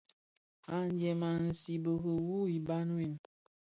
Adyèn i nzibiri wu iban win,